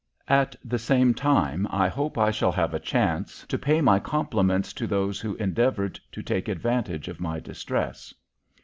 At the same time I hope I shall have a chance to pay my compliments to those who endeavored to take advantage of my distress.